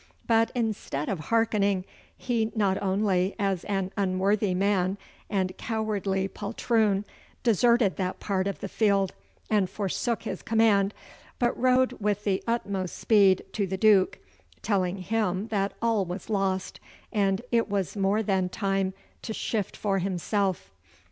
But instead of hearkening, he not only as an unworthy man and cowardly poltroon deserted that part of the field and forsook his command, but rode with the utmost speed to the Duke, telling him that all was lost and it was more than time to shift for himself.